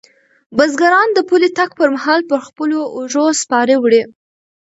بزګران د پلي تګ پر مهال په خپلو اوږو سپارې وړي.